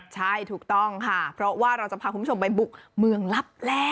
ใช่ถูกต้องค่ะเพราะว่าเราจะพาคุณผู้ชมไปบุกเมืองลับแล่